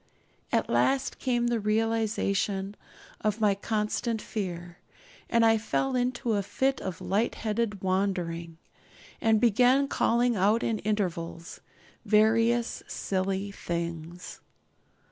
At last came the realisation of my constant fear; and I fell into a fit of light headed wandering, and began calling out at intervals various silly things.